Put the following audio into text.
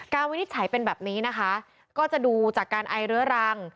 วินิจฉัยเป็นแบบนี้นะคะก็จะดูจากการไอเรื้อรัง